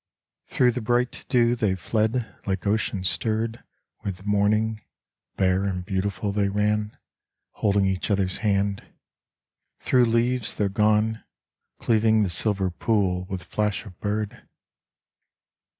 Through the bright dew they fled, like ocean stirred With morning. Bare and beautiful they ran, Holding each other's hand. Through leaves they're gone, Cleaving the silver pool with flash of bird.